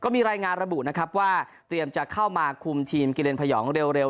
มีรายงานระบุนะครับว่าเตรียมจะเข้ามาคุมทีมกิเลนพยองเร็ว